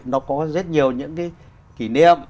nó có rất nhiều những cái kỷ niệm